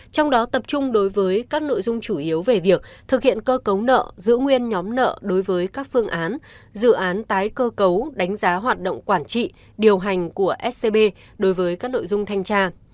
trong đó tập trung đối với các nội dung chủ yếu về việc thực hiện cơ cấu nợ giữ nguyên nhóm nợ đối với các phương án dự án tái cơ cấu đánh giá hoạt động quản trị điều hành của scb đối với các nội dung thanh tra